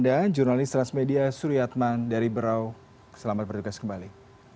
dan jurnalis transmedia suri atman dari berau selamat berdukas kembali